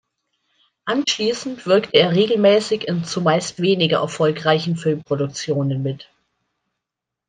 Anschließend wirkte er regelmäßig in zumeist weniger erfolgreichen Filmproduktionen mit.